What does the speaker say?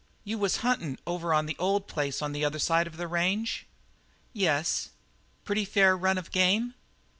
"You was huntin' over on the old place on the other side of the range?" "Yes." "Pretty fair run of game?"